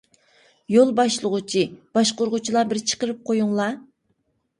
‹يول باشلىغۇچى› باشقۇرغۇچىلار بىر چىقىرىپ قويۇڭلا.